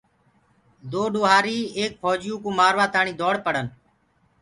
دو ڏوهآريٚ ايڪ ڦوجِيو ڪوُ مآروآ تآڻيٚ دوڙ پڙَن